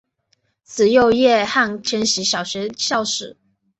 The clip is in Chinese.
慈幼叶汉千禧小学校史